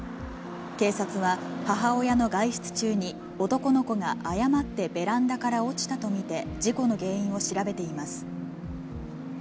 警察は、母親の外出中に、男の子が誤ってベランダから落ちたと見て、事故の原因を調べています。